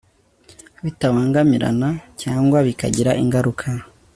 bitabangamirana cyangwa bikagira ingaruka